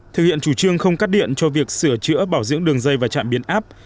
thực hiện chủ trương không cắt điện cho việc sửa chữa bảo dưỡng đường dây và trạm biến áp